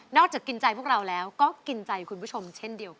กินใจพวกเราแล้วก็กินใจคุณผู้ชมเช่นเดียวกัน